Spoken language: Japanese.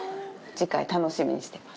次回、楽しみにしています。